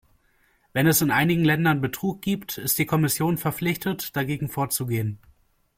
Wenn es in einigen Ländern Betrug gibt, ist die Kommission verpflichtet, dagegen vorzugehen.